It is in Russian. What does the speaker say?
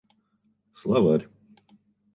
Словарь